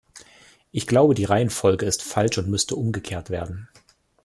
Ich glaube, die Reihenfolge ist falsch und müsste umgekehrt werden.